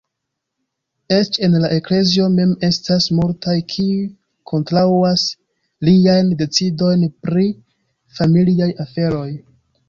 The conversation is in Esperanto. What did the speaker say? Eĉ en la eklezio mem estas multaj, kiuj kontraŭas liajn decidojn pri familiaj aferoj.